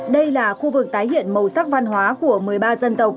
đây là khu vực tái hiện màu sắc văn hóa của một mươi ba dân tộc